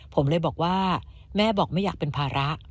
ผมเลยบอกว่าแม่บอกไม่อยากเป็นภาระ